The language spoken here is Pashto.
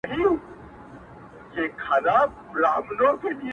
بل ملګری هم په لار کي ورپیدا سو!!